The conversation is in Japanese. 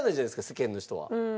世間の人は。